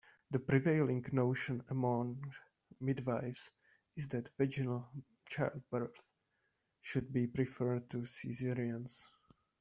The prevailing notion among midwifes is that vaginal childbirths should be preferred to cesareans.